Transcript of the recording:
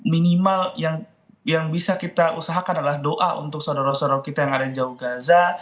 minimal yang bisa kita usahakan adalah doa untuk saudara saudara kita yang ada di jauh gaza